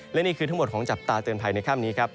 และนี่คือทั้งหมดของจับตาเตือนภัยในค่ำนี้ครับ